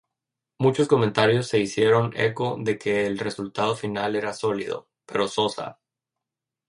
Muchos comentarios se hicieron eco de que el resultado final era sólido, pero sosa.